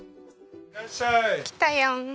いらっしゃい！来たよ。暑いね。